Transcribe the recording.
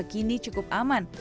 juga kini cukup aman